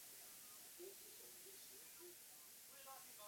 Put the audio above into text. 蓝果弯贝介为弯贝介科弯贝介属下的一个种。